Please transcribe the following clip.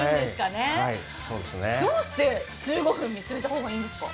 どうして１５分見つめた方がいいんですか？